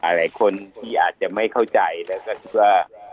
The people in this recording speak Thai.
หลายคนที่อาจจะไม่เข้าใจแล้วก็คิดว่า